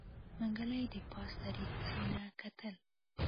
منګلي د پاس دريڅې نه کتل.